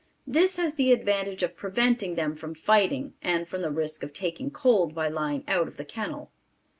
This has the advantage of preventing them from fighting and from the risk of taking cold by lying out of the kennel.